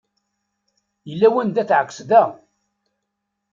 Yella wanda teεkes da!